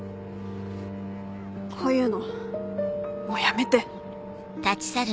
こういうのもうやめて。